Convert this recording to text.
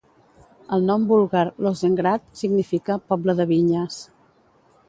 El nom búlgar "Lozengrad" significa "poble de vinyes".